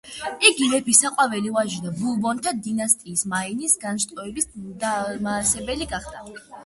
იგი მეფის საყვარელი ვაჟი და ბურბონთა დინასტიის მაინის განშტოების დამაარსებელი გახდა.